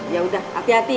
yaudah hati hati ya